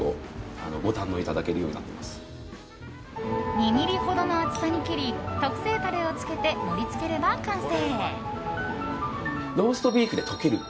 ２ｍｍほどの厚さに切り特製タレをつけて盛り付ければ完成。